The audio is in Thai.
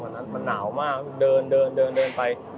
ตอนนั้นมันหนาวมากเดินไป